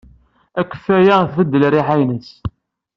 Akeffay-a tbeddel rriḥa-nnes.